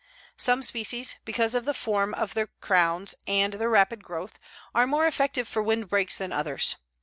Some species, because of the form of their crowns and their rapid growth, are more effective for windbreaks than others.